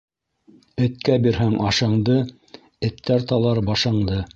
Эткә бирһәң ашыңды, эттәр талар башыңды.